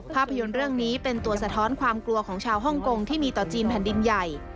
ภาพยนตร์เรื่องนี้เป็นตัวสะท้อนความกลัวของชาวฮ่องกงที่มีต่อจีนแผ่นดินใหญ่